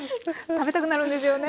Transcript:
食べたくなるんですよね。